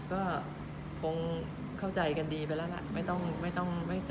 ก็คงเข้าใจกันดีไปแล้วละไม่ต้องไปจำเป็นน้ำกลับมา